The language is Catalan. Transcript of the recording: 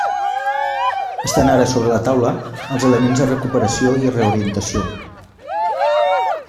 Estan ara sobre la taula els elements de recuperació i reorientació.